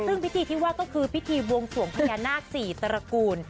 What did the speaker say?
ซึ่งพิธีที่ว่าก็คือพิธีบวงสวงพญานาคสี่ตระกูล